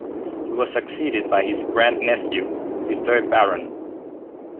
He was succeeded by his grandnephew, the third Baron.